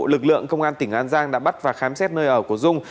lực lượng công an tỉnh an giang đã bắt và khám xét nơi ở của dung